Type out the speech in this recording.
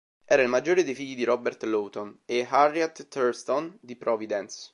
Era il maggiore dei figli di Robert Lawton e Harriet Thurston di Providence.